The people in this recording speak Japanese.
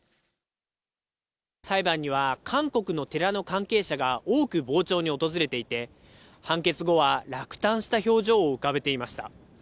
裁判には、韓国の寺の関係者が多く傍聴に訪れていて、判決後は落胆した表情を浮かべていました。